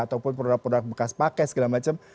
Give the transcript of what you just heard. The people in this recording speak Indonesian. ataupun produk produk bekas pakai segala macam